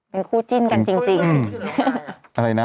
เป็นคู่จิ้นกันจริง